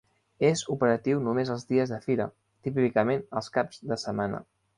És operatiu només els dies de fira, típicament els caps de setmana.